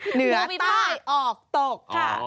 เหนือใต้ออกตก